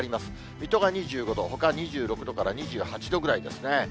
水戸が２５度、ほか２６度から２８度ぐらいですね。